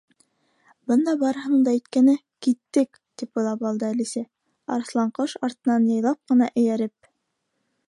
«Бында барыһының да әйткәне —«киттек!» тип уйлап алды Әлисә, Арыҫланҡош артынан яйлап ҡына эйәреп.